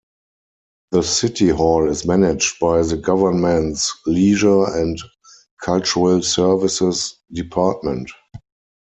The City Hall is managed by the Government's Leisure and Cultural Services Department.